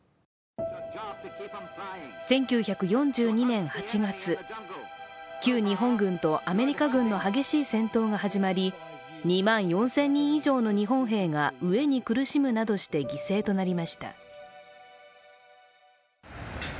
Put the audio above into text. １９４２年８月、旧日本軍とアメリカ軍の激しい戦闘が始まり２万４０００人以上の日本兵が飢えに苦しむなどして犠牲となりました。